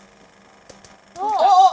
あっ！